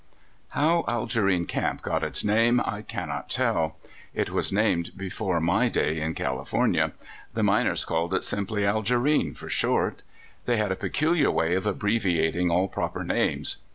HOW Algerine Camp got its name I cannot tell. It was named before my day in California. The miners called it simply "Algerine," for short. They had a pe culiar way of abbreviating all proper names.